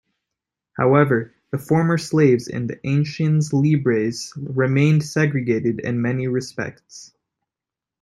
However, the former slaves and the anciens libres remained segregated in many respects.